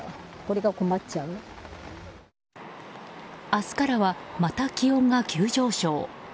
明日からはまた気温が急上昇。